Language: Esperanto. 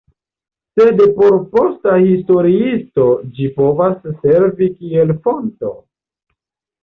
Sed por posta historiisto ĝi povas servi kiel fonto.